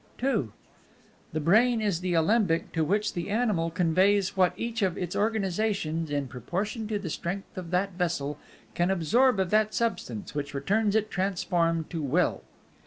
II The brain is the alembic to which the Animal conveys what each of its organizations, in proportion to the strength of that vessel, can absorb of that Substance, which returns it transformed into Will.